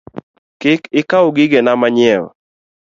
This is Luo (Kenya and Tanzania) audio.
Kik ikaw gigena manyiewo